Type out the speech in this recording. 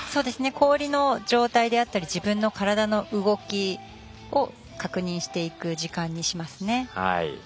氷の状態であったり自分の体の動きを確認していく時間にしますね。